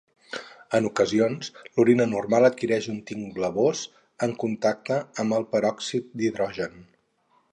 En ocasions, l'orina normal adquireix un tinc blavós en contacte amb el peròxid d'hidrogen.